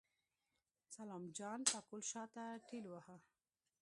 سلام جان پکول شاته ټېلوهه.